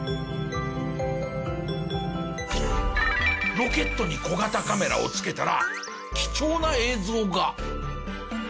ロケットに小型カメラを付けたら貴重な映像が。